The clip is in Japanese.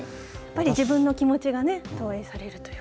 自分の気持ちが投影されるというか。